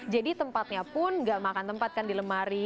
jadi tempatnya pun gak makan tempatkan di lemari